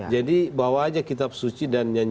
jadi bawa aja kitab suci dan